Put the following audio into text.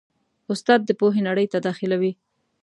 استاد د پوهې نړۍ ته داخلوي.